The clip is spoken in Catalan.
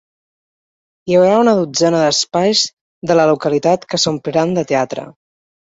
Hi haurà una dotzena d’espais de la localitat que s’ompliran de teatre.